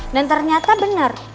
dan ternyata benar